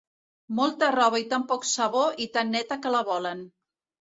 Molta roba i tan poc sabó i tan neta que la volen.